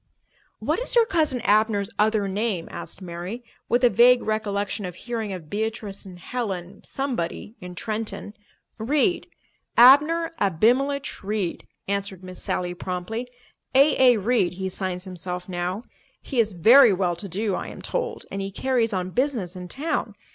"What is your Cousin Abner's other name?" asked Mary, with a vague recollection of hearing of Beatrice and Helen—somebody—in Trenton. "Reed—Abner Abimelech Reed," answered Miss Sally promptly. "A.A. Reed, he signs himself now. He is very well to do, I am told, and he carries on business in town.